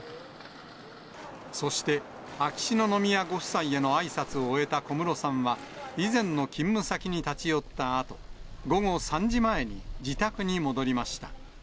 そして秋篠宮ご夫妻へのあいさつを終えた小室さんは、以前の勤務先に立ち寄ったあと、午後３時前に自宅に戻りました。